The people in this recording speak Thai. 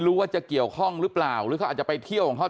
รู้ว่าจะเกี่ยวข้องหรือเปล่าหรือว่าจะไปเที่ยวความเท่า